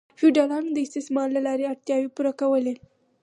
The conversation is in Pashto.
فیوډالانو د استثمار له لارې اړتیاوې پوره کولې.